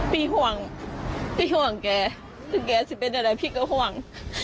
พี่ห่วงพี่ห่วงแกถ้าแกจะเป็นอะไรพี่ก็ห่วง